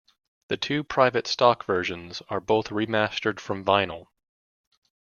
The two Private Stock versions are both remastered from vinyl.